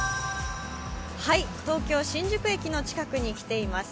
東京・新宿駅の近くに来ています。